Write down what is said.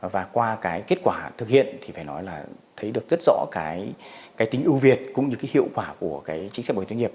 và thấy được rất rõ tính ưu việt cũng như hiệu quả của chính sách bảo hiểm thất nghiệp